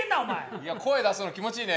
いや声出すの気持ちいいね。